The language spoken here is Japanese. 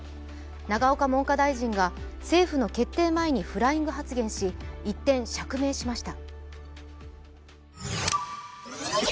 永岡文科大臣が政府の決定前にフライング発言し、一転、釈明しました。